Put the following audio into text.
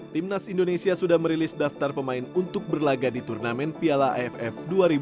timnas indonesia sudah merilis daftar pemain untuk berlaga di turnamen piala aff dua ribu dua puluh